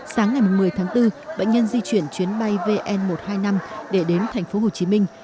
sáng ngày một mươi tháng bốn bệnh nhân di chuyển chuyến bay vn một trăm hai mươi năm để đến thành phố hồ chí minh